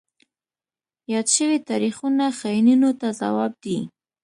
یاد شوي تاریخونه خاینینو ته ځواب دی.